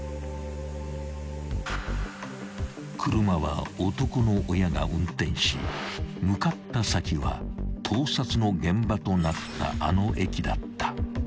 ［車は男の親が運転し向かった先は盗撮の現場となったあの駅だった］